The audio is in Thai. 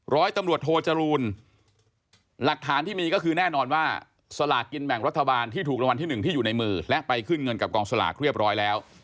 ร้อยตำรวจโทจรูลหลักฐานที่มีก็คือแน่นอนว่าสลากกินแบ่งรัฐบาลที่ถูกรางวัลที่๑ที่อยู่ในมือและไปขึ้นเงินกับกองสลากเรียบร้อยแล้ว